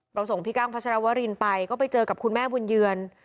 ส่งพี่กั้งพัชรวรินไปก็ไปเจอกับคุณแม่บุญเยือน